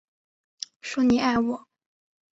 说你爱我